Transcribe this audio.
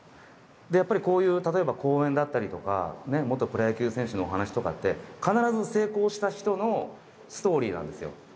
やっぱりこういう例えば講演だったりとか元プロ野球選手のお話とかって必ず成功した人のストーリーなんですよ。